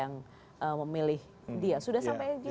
yang memilih dia